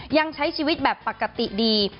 ยังใช้ชีวิตแบบปกติดี